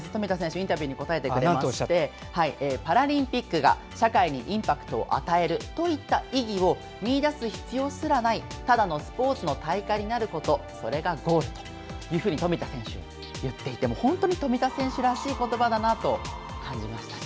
インタビューに答えてくれましてパラリンピックが社会にインパクトを与えるといった意義を見いだす必要すらないただのスポーツの大会になることそれがゴールというふうに富田選手、言っていて本当に富田選手らしい言葉だなと感じましたね。